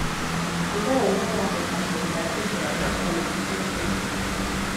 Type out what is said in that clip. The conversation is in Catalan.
Era una de les especialitats internes de l'ofici de fuster.